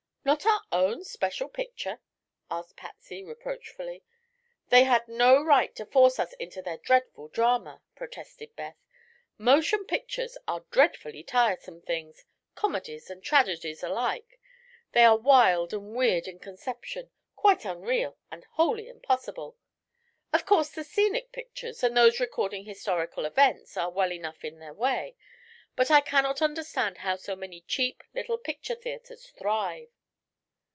"Not our own special picture?" asked Patsy reproachfully. "They had no right to force us into their dreadful drama," protested Beth. "Motion pictures are dreadfully tiresome things comedies and tragedies alike. They are wild and weird in conception, quite unreal and wholly impossible. Of course the scenic pictures, and those recording historical events, are well enough in their way, but I cannot understand how so many cheap little picture theatres thrive."